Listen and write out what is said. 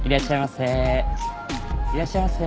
いらっしゃいませ。